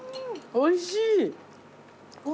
おいしい！